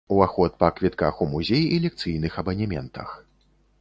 Уваход па квітках у музей і лекцыйных абанементах.